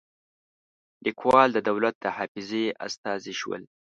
لیکوال د دولت د حافظې استازي شول.